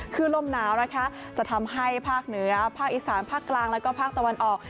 คือลมหนาวนะคะจะทำให้ภาคเหนือภาคอีสานภาคกลางแล้วก็ภาคตะวันออก